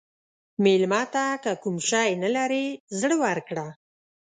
مېلمه ته که کوم شی نه لرې، زړه ورکړه.